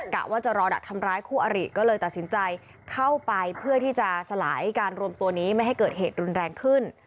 กะว่าจะรอดักทำร้ายคู่อริก็เลยตัดสินใจเข้าไปเพื่อที่จะสลายการรวมตัวนี้ไม่ให้เกิดเหตุรุนแรงขึ้น